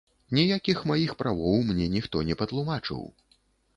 Ніякіх маіх правоў мне ніхто не патлумачыў.